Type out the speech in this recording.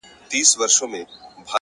پوه انسان د پوښتنو له کولو نه نه وېرېږي’